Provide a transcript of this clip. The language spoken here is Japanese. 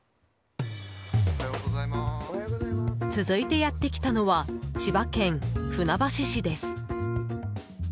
続いてやってきたのは千葉県船橋市です。